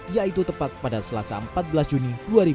yaitu tepat pada selasa empat belas juni dua ribu dua puluh